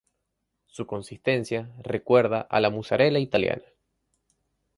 Su consistencia recuerda a la mozzarella italiana.